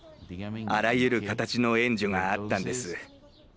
あらゆる形の援助があったんです。